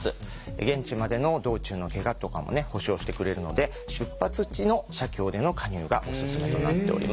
現地までの道中のけがとかもね補償してくれるので出発地の社協での加入がオススメとなっております。